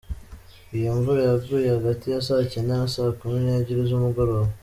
Iyo mvura yaguye hagati ya saa Cyenda na saa Kumi n’ebyiri z’umugoroba.